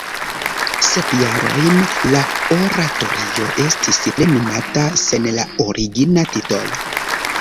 Sep jarojn la oratorio estis plenumata sen la origina titolo.